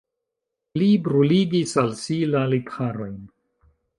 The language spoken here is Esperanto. Li bruligis al si la lipharojn.